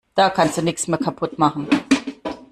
Da kannst du nichts mehr kaputt machen.